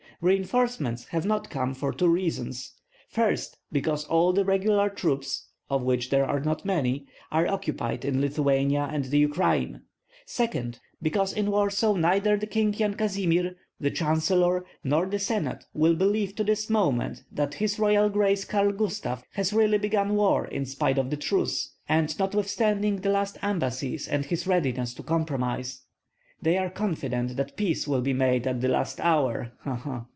"Reinforcements have not come for two reasons, first, because all the regular troops, of which there are not many, are occupied in Lithuania and the Ukraine; second, because in Warsaw neither the King Yan Kazimir, the chancellor, nor the senate will believe to this moment that his royal Grace Karl Gustav has really begun war in spite of the truce, and notwithstanding the last embassies and his readiness to compromise. They are confident that peace will be made at the last hour, ha, ha!"